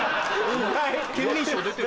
『ケンミンＳＨＯＷ』出てる。